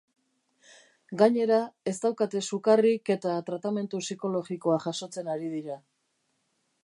Gainera, ez daukate sukarrik eta tratamendu psikologikoa jasotzen ari dira.